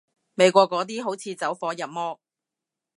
美國嗰啲好似走火入魔